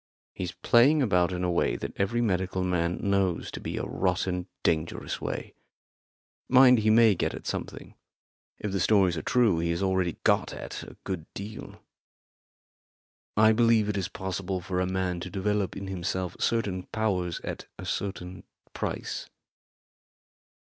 He's playing about in a way that every medical man knows to be a rotten, dangerous way. Mind, he may get at something; if the stories are true he has already got at a good deal. I believe it is possible for a man to develop in himself certain powers at a certain price."